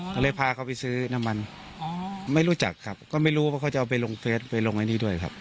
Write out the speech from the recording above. ก็เลยพาเขาไปซื้อน้ำมันอ๋อไม่รู้จักครับก็ไม่รู้ว่าเขาจะเอาไปลงเฟสไปลงไอ้นี่ด้วยครับ